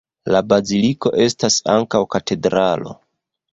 La baziliko estas ankaŭ katedralo.